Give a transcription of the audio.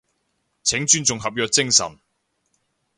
請尊重合約精神